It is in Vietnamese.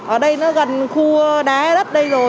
ở đây nó gần khu đá đất đây rồi